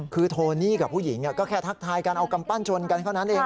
คือโทนี่กับผู้หญิงก็แค่ทักทายการเอากำปั้นชนกันเท่านั้นเอง